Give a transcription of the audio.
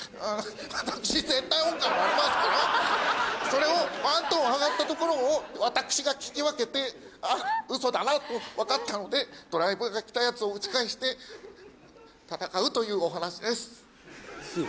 私絶対音感がありますからそれをワントーン上がったところを私が聞き分けてあっウソだなと分かったのでドライブが来たやつを打ち返して戦うというお話です。